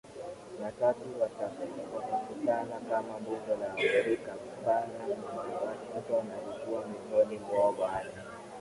na tatu wakakutana kama bunge la Amerika Bara na Washington alikuwa miongoni mwaoBaada